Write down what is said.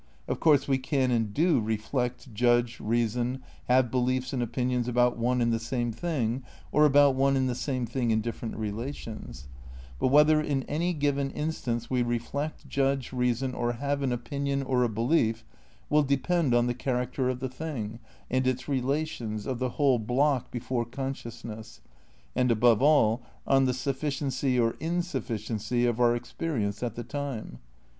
Of course we can, and do, reflect, judge, reason, have beliefs and opinions about one and the same thing, or about one and the same thing in different relations ; but whether in any given instance we reflect, judge, reason or have an opinion or a belief wiU depend on the character of the thing and its re lations, of the whole block before consciousness, and, above all, on the sufficiency or insufficiency of our ex perience at the time.